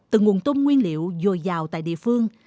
từ nguồn tôm nguyên liệu dồi dào tại địa phương